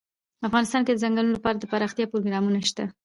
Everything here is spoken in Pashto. افغانستان کې د ځنګلونه لپاره دپرمختیا پروګرامونه شته.